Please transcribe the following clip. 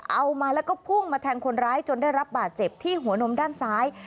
เอามาแล้วก็พุ่งมาแทงคนร้ายจนได้รับบาดเจ็บที่หัวนมด้านซ้าย